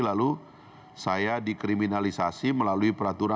lalu saya dikriminalisasi melalui peraturan